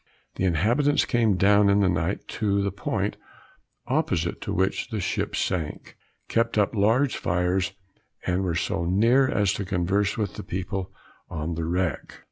The inhabitants came down in the night to the point opposite to which the ship sunk, kept up large fires, and were so near as to converse with the people on the wreck.